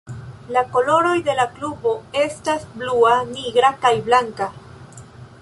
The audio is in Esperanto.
La koloroj de la klubo estas blua, nigra kaj blanka.